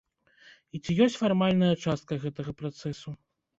І ці ёсць фармальная частка гэтага працэсу.